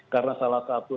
karena salah satu